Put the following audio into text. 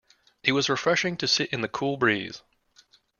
It was refreshing to sit in the cool breeze.